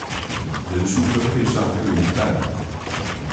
人數分配上各一半